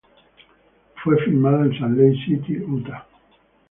Fue filmada en Salt Lake City, Utah.